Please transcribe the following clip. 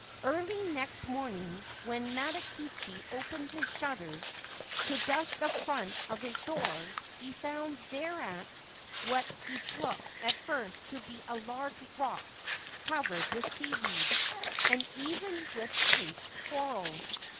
Early next morning, when Matakichi opened his shutters to dust the front of his door, he found thereat what he took at first to be a large rock covered with seaweed, and even with pink coral.